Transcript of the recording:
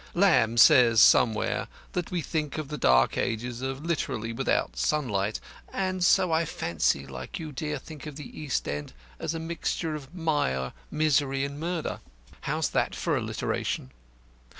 Lamb says somewhere that we think of the "Dark Ages" as literally without sunlight, and so I fancy people like you, dear, think of the "East end" as a mixture of mire, misery, and murder. How's that for alliteration?